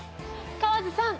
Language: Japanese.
河津さん